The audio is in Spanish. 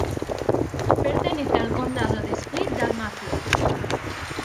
Pertenece al condado de Split-Dalmacia.